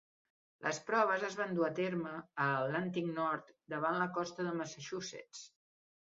Les proves es van dur a terme a l'Atlàntic Nord, davant la costa de Massachusetts.